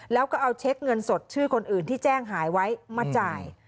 แล้วก็เอาเช็คเงินสดชื่อคนอื่นที่แจ้งหายไว้มาจ่าย